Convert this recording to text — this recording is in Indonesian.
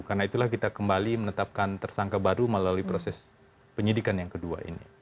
karena itulah kita kembali menetapkan tersangka baru melalui proses penyidikan yang kedua ini